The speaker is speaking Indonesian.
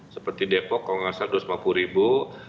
seperti depok kalau nggak salah dua ratus lima puluh ribu